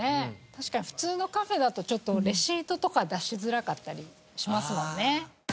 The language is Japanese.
確かに普通のカフェだとちょっとレシートとか出しづらかったりしますもんね。